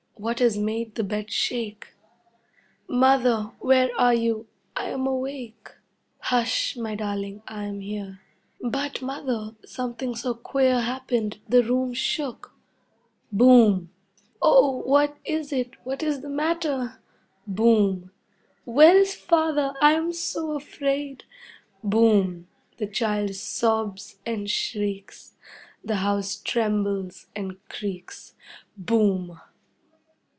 What has made the bed shake? "Mother, where are you? I am awake." "Hush, my Darling, I am here." "But, Mother, something so queer happened, the room shook." Boom! "Oh! What is it? What is the matter?" Boom! "Where is Father? I am so afraid." Boom! The child sobs and shrieks. The house trembles and creaks. Boom!